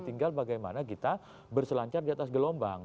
tinggal bagaimana kita berselancar di atas gelombang